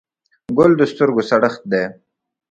ګل د سترګو سړښت دی.